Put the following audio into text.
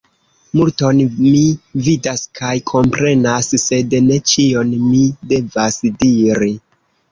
Multon mi vidas kaj komprenas, sed ne ĉion mi devas diri.